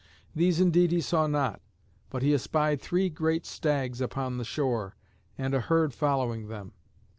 These indeed he saw not, but he espied three great stags upon the shore and a herd following them.